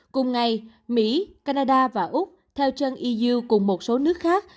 cùng ngày mỹ canada và úc theo chân eu cùng một số nước khác